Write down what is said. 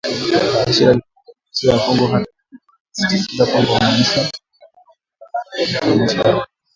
Jeshi la Jamuhuri ya Kidemokrasia ya Kongo hata hivyo linasisitiza kwamba “wanajeshi hao wawili ni wanajeshi wa Rwanda